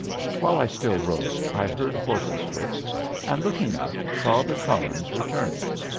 While I still wrote, I heard horses' hoofs, and, looking up, saw the Cullens returning.